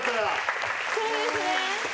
そうですね。